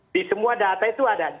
di semua data itu ada